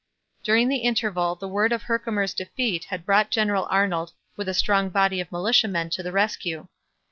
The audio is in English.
During the interval the word of Herkimer's defeat had brought General Arnold with a strong body of militiamen to the rescue.